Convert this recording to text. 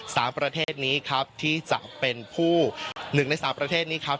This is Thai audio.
ประเทศนี้ครับที่จะเป็นผู้หนึ่งในสามประเทศนี้ครับ